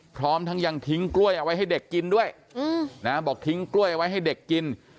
พร้อมทั้งยังทิ้งกล้วยเอาไว้ให้เด็กกินด้วยนะบอกทิ้งกล้วยเอาไว้ให้เด็กกิน